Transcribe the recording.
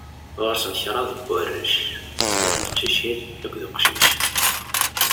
Ɣur-sen kraḍ n warraw: snat n teqcicin akked uqcic.